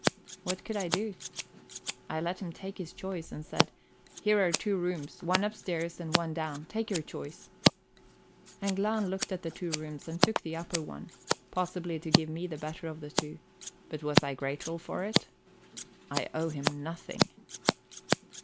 What could I do? I let him take his choice, and said: "Here are two rooms, one upstairs and one down; take your choice." And Glahn looked at the two rooms and took the upper one, possibly to give me the better of the two but was I not grateful for it? I owe him nothing.